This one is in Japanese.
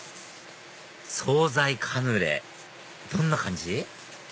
惣菜カヌレどんな感じ？